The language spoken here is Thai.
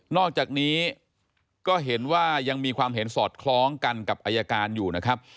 อกจากนี้ก็เห็นว่ายังมีความเห็นสอดคล้องกันกับอายการอยู่นะครับ